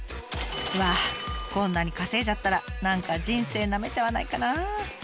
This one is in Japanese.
うわこんなに稼いじゃったら何か人生なめちゃわないかな？